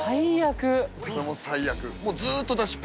これも最悪。